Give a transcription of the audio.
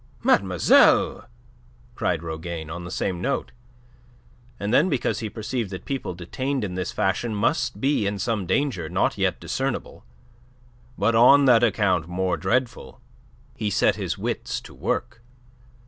"Mademoiselle!" cried Rougane on the same note. And then, because he perceived that people detained in this fashion must be in some danger not yet discernible, but on that account more dreadful, he set his wits to work.